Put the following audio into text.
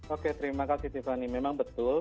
oke terima kasih tiffany memang betul